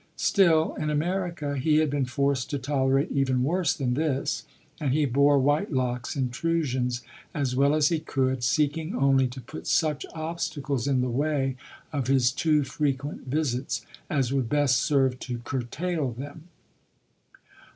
Still, in America he had been forced to tolerate even worse than this, and he bore Whitelock's intrusions as well as he could, seeking only to put such obstacles in the way of his too frequent visits, as would best serve to curtail them.